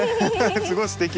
すごいすてきなね